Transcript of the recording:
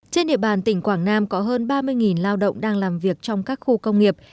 trên địa bàn tỉnh quảng nam có hơn ba mươi lao động đang làm việc trong các khu công nghiệp